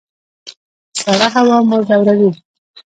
سړه هوا مو ځوروي؟